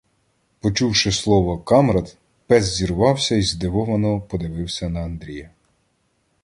Почувши слово "камрад", пес зірвався й здивовано подивився на Андрія.